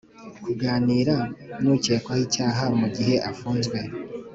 Kunganira nukekwaho icyaha mu gihe afunzwe